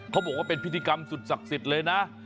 เขาบอกว่าเป็นพิธีกรรมสุดศักดิ์สิทธิ์เลยนะ